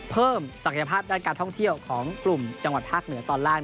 ศักยภาพด้านการท่องเที่ยวของกลุ่มจังหวัดภาคเหนือตอนล่าง